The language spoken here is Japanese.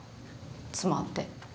妻って。